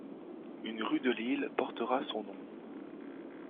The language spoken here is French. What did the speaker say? Une rue de Lille portera son nom.